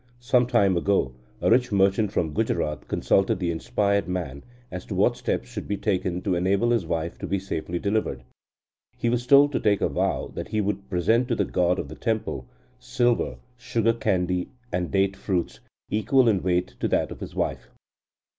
Some time ago, a rich merchant from Gujarat consulted the inspired man as to what steps should be taken to enable his wife to be safely delivered. He was told to take a vow that he would present to the god of the temple, silver, sugar candy, and date fruits, equal in weight to that of his wife.